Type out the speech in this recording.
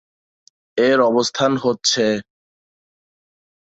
এর অবস্থান হচ্ছেঃ।